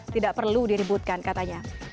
tidak perlu diributkan katanya